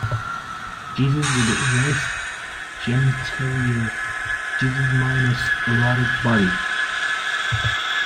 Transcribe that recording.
Jesus with erased genitalia; Jesus minus erotic body.